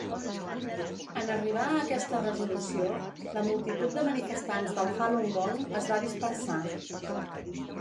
En arribar a aquesta resolució, la multitud de manifestants del Falun Gong es va dispersar.